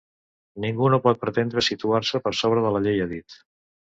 Ningú no pot pretendre situar-se per sobre de la llei, ha dit.